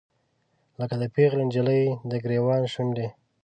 لکه د پیغلې نجلۍ، دګریوان شونډې